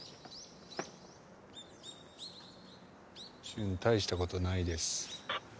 瞬大した事ないです。